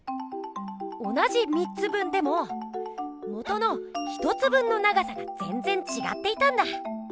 同じ３つ分でももとの１つ分の長さがぜんぜんちがっていたんだ。